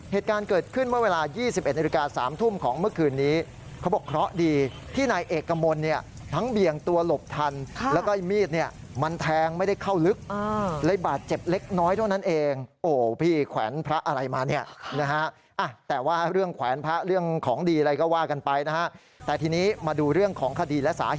เหตุการณ์เกิดขึ้นเมื่อเวลา๒๑อ